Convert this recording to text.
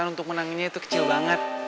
kejuangannya itu kecil banget